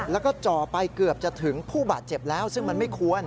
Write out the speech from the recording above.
แล้วก็จ่อไปเกือบจะถึงผู้บาดเจ็บแล้วซึ่งมันไม่ควร